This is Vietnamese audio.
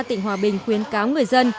tỉnh hòa bình khuyến cáo người dân